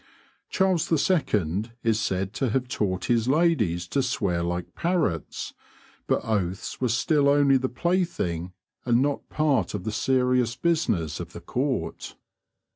Charles II. is said to have taught his ladies to swear like parrots, but oaths were still only the plaything and not part of the serious business of the Court.